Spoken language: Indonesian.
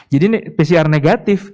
jadi nih pcr negatif